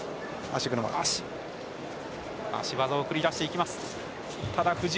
足技を繰り出していきます。